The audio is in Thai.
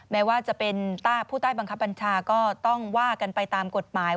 แม้ว่าจะเป็นผู้ใต้บังคับบัญชาก็ต้องว่ากันไปตามกฎหมาย